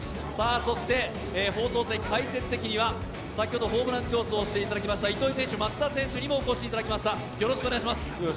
そして、放送席・解説席には先ほどホームラン競争をしていただきました糸井選手、松田選手にもお越しいただきました。